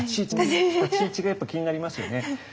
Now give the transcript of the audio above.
立ち位置がやっぱ気になりますよね。